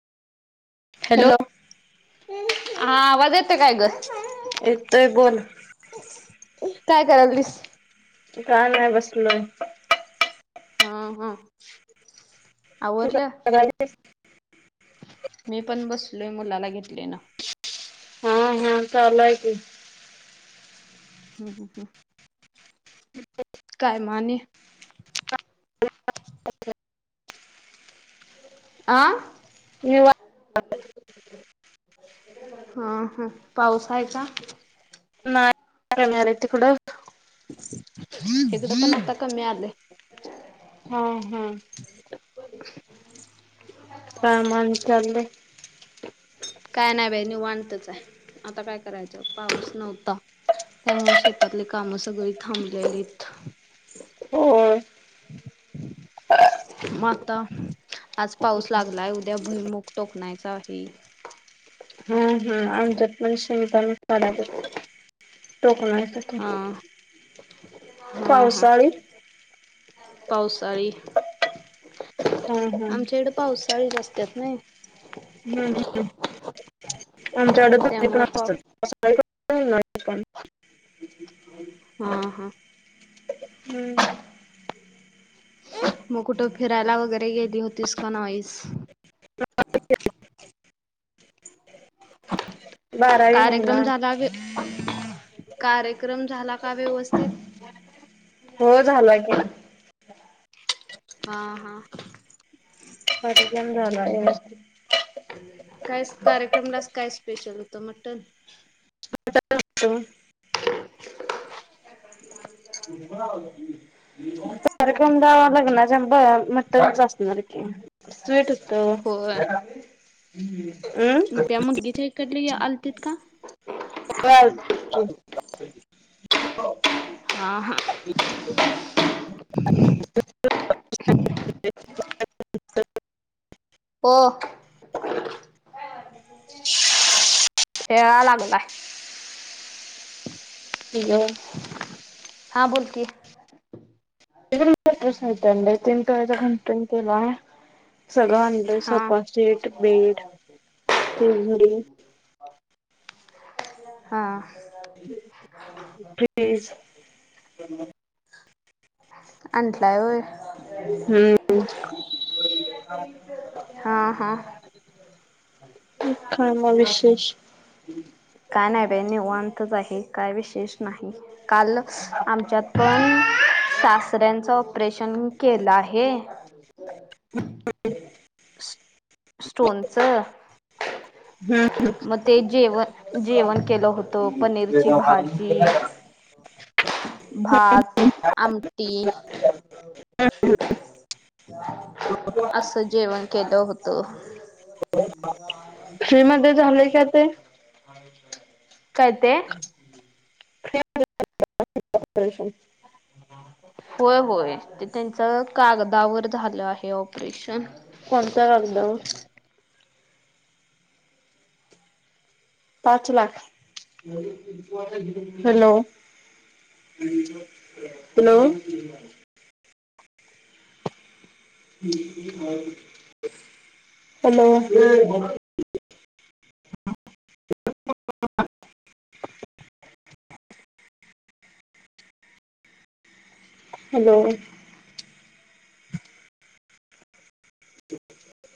Hello हा आवाज - - एतोय बोल. काय करालतीस? कात नाय बसलोय. हम् हम. तू आवरल? काय करायलीस? मी पण बसलोय मुलाला घेतले ना. हा हा चालू हाय की हा हा. [inaudible] काय म आणि आ. निवांत हा हा. पाऊस आहे का? [unintelligible] हीकडं पण आता कमी आलय. ह ह. कामान चाललो. काय नाही बाई निवांत च हाय आता काय करायचा पाऊस नव्हता त्यामुळे शेतातले काम सगळी थांबल्यालित होय. म आता आज पाऊस लागलाय उद्या भुईमुग टोकनायचा आहे हम्म हम्म आमच्यात पण शेंगदान टोकणायच हा हा हा पावसाळी पावसाळी हा आमच्याहिकळ पावसाळीच आसत्यात ना हम्म हम्म. [inaudible] आमच्याकडे पण त्यामुळे प असतात [unintelligible] न पण. [unintelligible] हा हा. हम्म. मग कुठं फिरायला वगैरे गेली होतीस का नाहीईस- [unintelligible] बारावी होना कार्यक क्रम झाला का व्यवस्थित हो झाला की [unintelligible] हा हा. [unintelligible] झाला ये. काय कार्यक्रमलाच काय स्पेशल होत मटन हातात... कार्यक्रम गावा लग्नाच्या ब मटनच असणार की स्वीट... त होय अम्... मग त्या मुलगीच्या इकडली आलतीत का? काज.. [unintelligible] ह हा.... [unintelligible] ब खेळाय लागलाय. ह.. हा बोलकी... टीर तीन तचा घंट केला... सगळं अडर हा सोफा सीट बेड तिझोरी हा... फ्रीज आणंटलाय होय. हम्म... हा हा... काय मग विशेष... काय नाही बाई निवांतच आहे. काय विशेष नाही. काल आमच्यात पण सासऱ्यांत... ऑपरेशन केलं आहे. हो. स्टोनचं... मग ते जेव जेवण केलं होतं पनीरची भाजी.. भात आमटी असं जेवण केलं होतं... आर् का... हा विय काय ते... ऑपरेशन... होय होय ते त्यांच कागदावर झालं आहे ऑपरेशन.. कोणत्या कागदावर... पाच lakh hello hello.. hello... [inaudible] hello